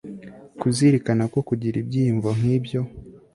kuzirikana ko kugira ibyiyumvo nk'ibyo